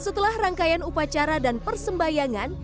setelah rangkaian upacara dan persembayangan